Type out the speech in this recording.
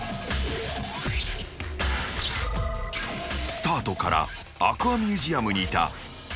［スタートからアクアミュージアムにいたえなこ］